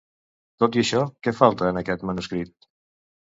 Tot i això, què falta en aquest manuscrit?